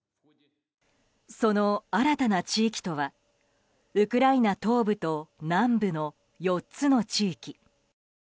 その新たな地域とはウクライナ東部と南部の４つの地域。